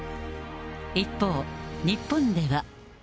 一方、日本では。